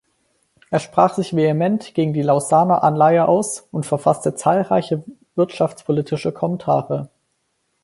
Er sprach sich vehement gegen die Lausanner Anleihe aus und verfasste zahlreiche wirtschaftspolitische Kommentare.